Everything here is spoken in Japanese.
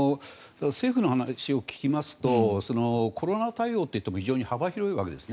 政府の話を聞きますとコロナ対応といっても非常に幅広いんです。